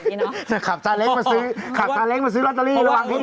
จะขับจานเล็กมาซื้อขับจานเล็กมาซื้อลอตเตอรี่